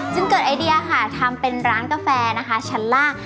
เกิดไอเดียค่ะทำเป็นร้านกาแฟนะคะชั้นล่าง